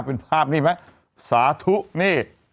เป็นภาพนี่ไหมสาธุนี่